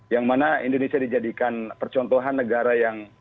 yang mana indonesia dijadikan percontohan negara yang